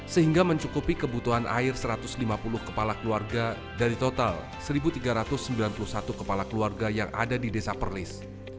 sehingga mencukupi kebutuhan air satu ratus lima puluh kepala keluarga dari total satu tiga ratus sembilan puluh satu kepala keluarga yang ada di desa perlis